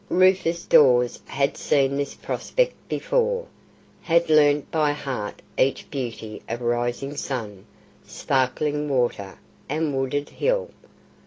Rufus Dawes had seen this prospect before, had learnt by heart each beauty of rising sun, sparkling water, and wooded hill.